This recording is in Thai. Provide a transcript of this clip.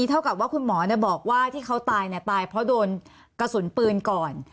เท่ากับว่าคุณหมอบอกว่าที่เขาตายตายเพราะโดนกระสุนปืนก่อน